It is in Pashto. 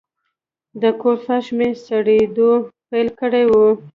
د کور فرش مې سړېدو پیل کړی و.